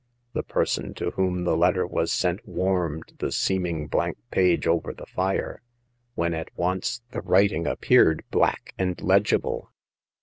The person to whom the letter was sent warmed the seeming blank page over the fire, when at once the writing appeared, black and legible."